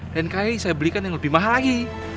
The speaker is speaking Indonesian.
dan kayaknya saya belikan yang lebih mahal lagi